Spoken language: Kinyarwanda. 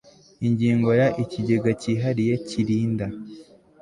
Ingingo ya Ikigega cyihariye kirinda